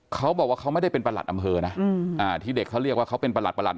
เขาบอกว่าเขาไม่ได้เป็นประหลัดอำเภอนะที่เด็กเขาเรียกว่าเขาเป็นประหลัด